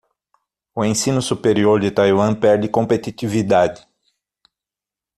O ensino superior de Taiwan perde competitividade